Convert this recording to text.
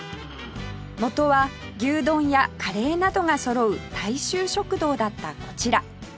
元は牛丼やカレーなどがそろう大衆食堂だったこちら